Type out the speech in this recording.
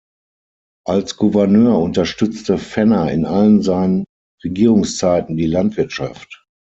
Als Gouverneur unterstützte Fenner in allen seinen Regierungszeiten die Landwirtschaft.